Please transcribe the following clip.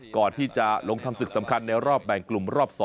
ก่อนที่จะลงทำศึกสำคัญในรอบแบ่งกลุ่มรอบ๒